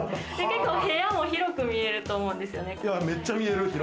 部屋も広く見えると思うんですよね。